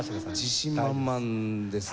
自信満々ですね。